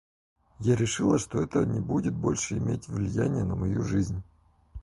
Я решила, что это не будет больше иметь влияния на мою жизнь.